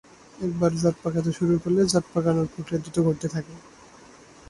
একবার জট পাকাতে শুরু করলে জট পাকানোর প্রক্রিয়া দ্রুত ঘটতে থাকে।